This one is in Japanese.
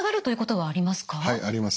はいあります。